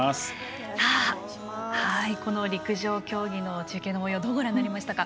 この陸上競技の中継のもようをどうご覧になりましたか。